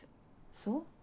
そう？